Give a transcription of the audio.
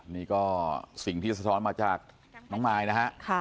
นี่ก็สิ่งที่สะท้อนมาจากน้องมายนะฮะ